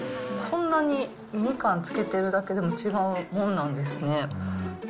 こんなにみかん漬けてるだけでも違うもんなんですね。